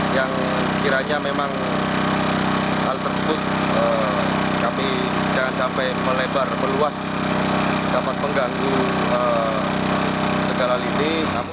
yang kiranya memang hal tersebut kami jangan sampai melebar meluas dapat mengganggu segala lini